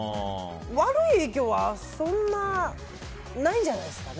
悪い影響はそんなにないんじゃないですかね。